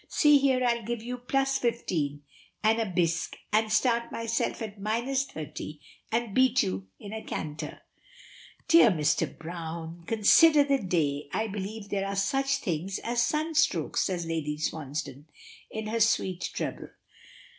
"See here, I'll give you plus fifteen, and a bisque, and start myself at minus thirty, and beat you in a canter." "Dear Mr. Browne, consider the day! I believe there are such things as sunstrokes," says Lady Swansdown, in her sweet treble.